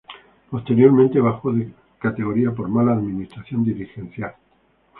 Posteriormente bajó de categoría por mala administración dirigencial.